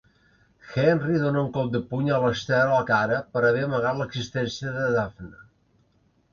Henry dona un cop de puny a Alastair a la cara per haver amagat l'existència de Daphne.